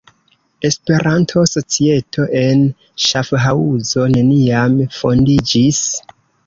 Esperanto-Societo en Ŝafhaŭzo neniam fondiĝis.